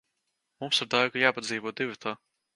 Mums ar Daigu jāpadzīvo divatā.